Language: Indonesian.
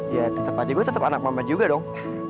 ya tetep adik gue tetep anak mama juga dong